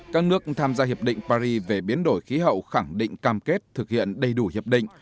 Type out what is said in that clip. các nước tham gia hiệp định paris về biến đổi khí hậu khẳng định cam kết thực hiện đầy đủ hiệp định